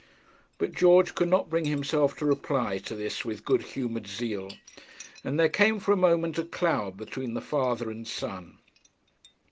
But George could not bring himself to reply to this with good humoured zeal, and there came for a moment a cloud between the father and son.